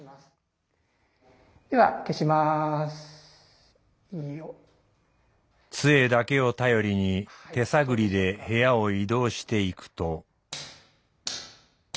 では杖だけを頼りに手探りで部屋を移動していくと。